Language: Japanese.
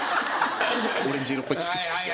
オレンジ色っぽいチクチクした。